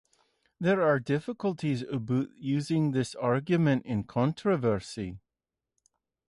There are difficulties about using this argument in controversy.